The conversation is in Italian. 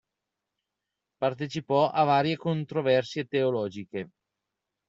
Partecipò a varie controversie teologiche.